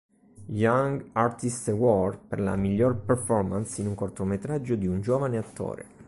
Young Artist Award per la miglior performance in un cortometraggio di un Giovane attore